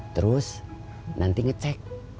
terus nanti ngecek